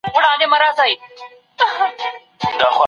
اروپایي هېوادونه د افغانستان زعفران خوښوي.